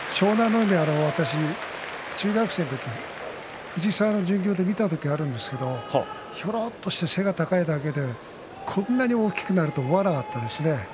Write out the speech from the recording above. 海は私、中学生の時に藤沢の巡業で見た時があるんですけどひょろっとして背が高いだけでこんなに大きくなると思わなかったですね。